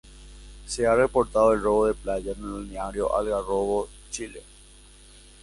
Se ha reportado el robo de playa en el balneario de Algarrobo, Chile.